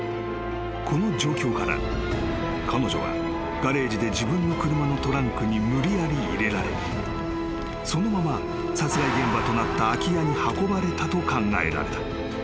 ［この状況から彼女はガレージで自分の車のトランクに無理やり入れられそのまま殺害現場となった空き家に運ばれたと考えられた］